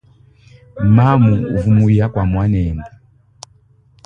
Mamu uva muya kua muanende.